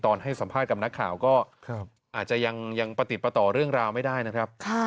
ให้สัมภาษณ์กับนักข่าวก็อาจจะยังประติดประต่อเรื่องราวไม่ได้นะครับ